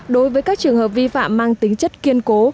đối với các trường hợp vi phạm mang tính chất kiên cố